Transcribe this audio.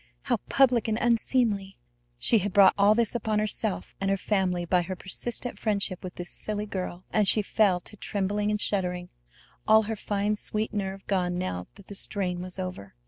How public and unseemly! She had brought all this upon herself and her family by her persistent friendship with this silly girl! And she fell to trembling and shuddering, all her fine, sweet nerve gone now that the strain was over.